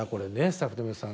スタッフの皆さん